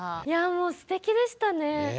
いやあもうすてきでしたね。